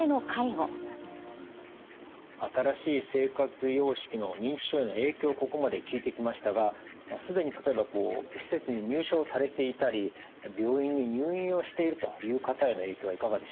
新しい生活様式の認知症への影響をここまで聞いてきましたが既に例えばこう施設に入所されていたり病院に入院をしているという方への影響はいかがでしょうか？